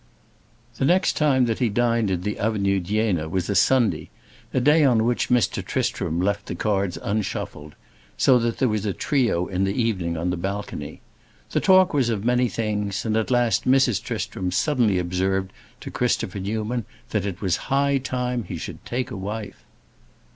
The next time that he dined in the Avenue d'Iéna was a Sunday, a day on which Mr. Tristram left the cards unshuffled, so that there was a trio in the evening on the balcony. The talk was of many things, and at last Mrs. Tristram suddenly observed to Christopher Newman that it was high time he should take a wife.